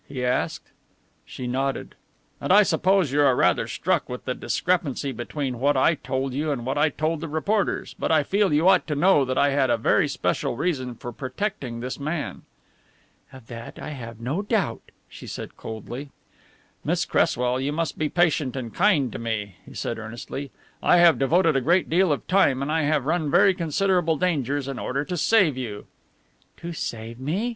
he asked. She nodded. "And I suppose you are rather struck with the discrepancy between what I told you and what I told the reporters, but I feel you ought to know that I had a very special reason for protecting this man." "Of that I have no doubt," she said coldly. "Miss Cresswell, you must be patient and kind to me," he said earnestly. "I have devoted a great deal of time and I have run very considerable dangers in order to save you." "To save me?"